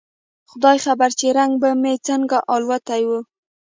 خداى خبر چې رنگ به مې څنګه الوتى و.